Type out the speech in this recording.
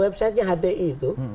websitenya hdi itu